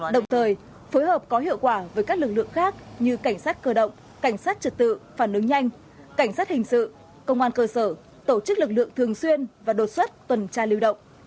đồng thời phối hợp có hiệu quả với các lực lượng khác như cảnh sát cơ động cảnh sát trật tự phản ứng nhanh cảnh sát hình sự công an cơ sở tổ chức lực lượng thường xuyên và đột xuất tuần tra lưu động